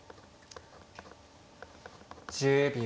１０秒。